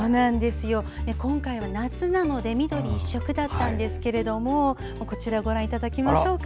今回は夏なので緑一色だったんですけどもこちら、ご覧いただきましょう。